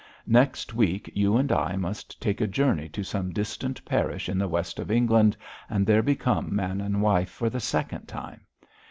Next week you and I must take a journey to some distant parish in the west of England, and there become man and wife for the second time.